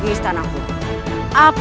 memang start sekejar